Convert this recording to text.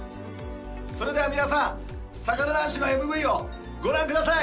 それでは皆さん「魚男子」のＭＶをご覧ください